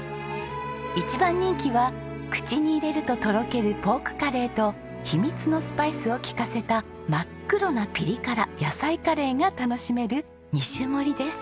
一番人気は口に入れるととろけるポークカレーと秘密のスパイスを利かせた真っ黒なピリ辛野菜カレーが楽しめる２種盛りです。